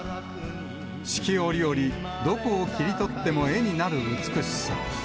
四季折々、どこを切り取っても、絵になる美しさ。